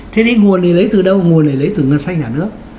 thế đến nguồn này lấy từ đâu nguồn này lấy từ ngân sách nhà nước